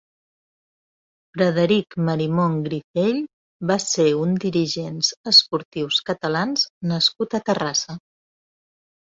Frederic Marimon Grifell va ser un dirigents esportius catalans nascut a Terrassa.